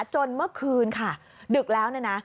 จนเมื่อคืนค่ะดึกแล้วนะ